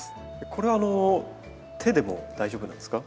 これはあの手でも大丈夫なんですか？